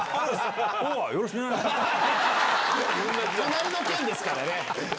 隣の県ですからね。